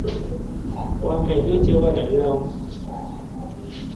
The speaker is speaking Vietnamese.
Qua miền ký ức chơi vơi lạnh lùng